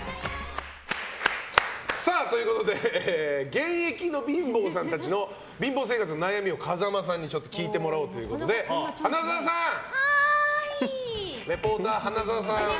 現役の貧乏さんたちの貧乏生活の悩みを、風間さんに聞いてもらおうということでリポーター花澤さん